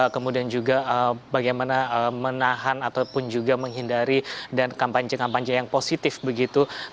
kemudian juga bagaimana menahan ataupun juga menghindari dan kampanye kampanye yang positif begitu